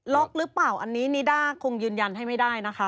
หรือเปล่าอันนี้นิด้าคงยืนยันให้ไม่ได้นะคะ